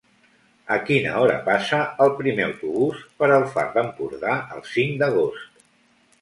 A quina hora passa el primer autobús per el Far d'Empordà el cinc d'agost?